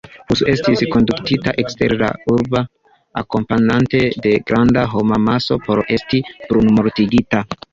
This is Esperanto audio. Hus estis kondukita ekster la urbon, akompanate de granda homamaso, por esti brulmortigita.